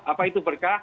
apa itu berkah